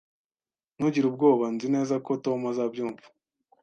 Ntugire ubwoba. Nzi neza ko Tom azabyumva